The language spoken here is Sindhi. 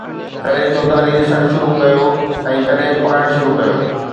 ڪڏهن چوڌاري ڏسڻ شروع ڪيو ۽ ڪڏهن پڙهڻ شروع ڪيو